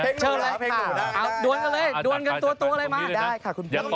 พลีแบบดูเลยมา